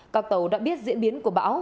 các tàu đã biết diễn biến của bão